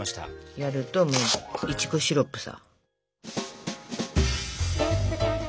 やるともういちごシロップさ。